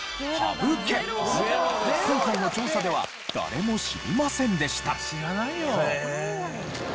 今回の調査では誰も知りませんでした。